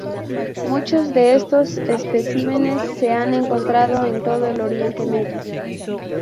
Muchos de estos especímenes se han encontrado en todo el Oriente Medio.